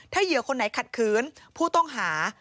ถ้าเหยื่อคนไหนขัดขืนผู้ต้องหา